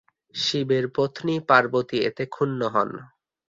শিবের পত্নী পার্বতী এতে ক্ষুণ্ণ হন।